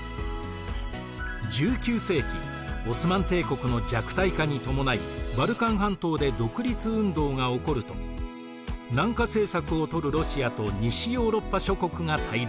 １９世紀オスマン帝国の弱体化に伴いバルカン半島で独立運動が起こると南下政策をとるロシアと西ヨーロッパ諸国が対立。